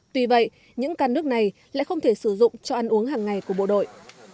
tuy vậy những căn nước này lại không thể sử dụng cho ăn uống hàng ngày của bộ đội